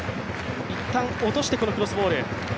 いったん落としてこのクロスボール。